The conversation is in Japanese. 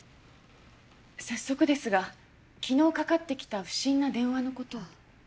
早速ですが昨日かかってきた不審な電話の事を。